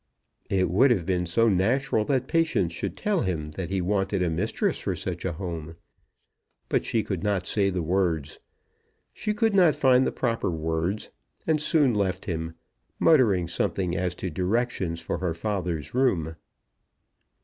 It would have been so natural that Patience should tell him that he wanted a mistress for such a home; but she could not say the words. She could not find the proper words, and soon left him, muttering something as to directions for her father's room.